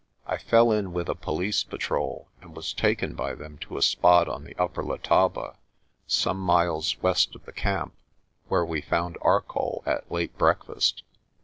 I fell in with a police patrol and was taken by them to a spot on the Upper Letaba, some miles west of the camp, where we found Arcoll at late breakfast.